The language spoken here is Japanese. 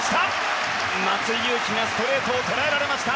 松井裕樹がストレートを捉えられました。